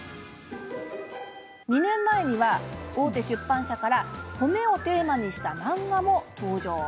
２年前には、大手出版社から褒めをテーマにした漫画も登場。